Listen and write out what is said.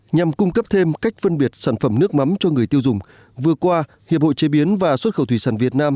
nhằm cung cấp thêm cách phân biệt sản phẩm nước mắm cho người tiêu dùng vừa qua hiệp hội chế biến và xuất khẩu thủy sản việt nam